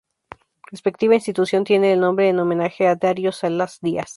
Respectiva institución, tiene el nombre en homenaje a Darío Salas Díaz.